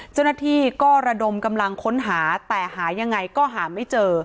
เจ้าหน้าที่ก็ระดมกำลังค้นหาแต่หายังไงก็หาไม่เจอ